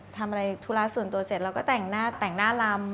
ทำอะไรธุระส่วนตัวเสร็จเราก็แต่งหน้าแต่งหน้าลำ